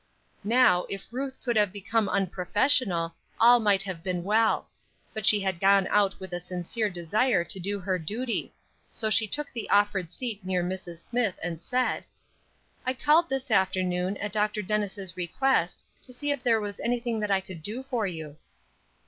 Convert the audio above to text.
Now, if Ruth could have become unprofessional, all might have been well; but she had gone out with a sincere desire to do her duty; so she took the offered seat near Mrs. Smith, and said: "I called this afternoon, at Dr. Dennis' request, to see if there was anything that I could do for you."